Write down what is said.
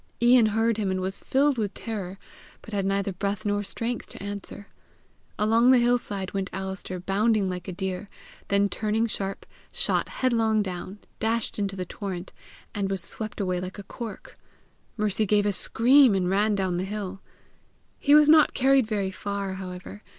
Ian heard him, and was filled with terror, but had neither breath nor strength to answer. Along the hillside went Alister bounding like a deer, then turning sharp, shot headlong down, dashed into the torrent and was swept away like a cork. Mercy gave a scream, and ran down the hill. He was not carried very far, however.